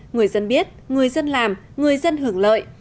người dân biết người dân làm người dân hưởng lợi